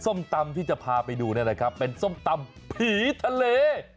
ส้มตำที่จะพาไปดูเนี่ยนะครับเป็นส้มตำผีทะเล